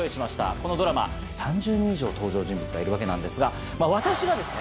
このドラマ３０人以上登場人物がいるわけなんですが私がですね